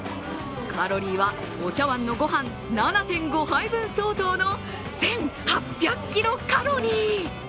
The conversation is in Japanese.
カロリーはお茶碗のご飯７．５杯分相当の１８００ｋｃａｌ。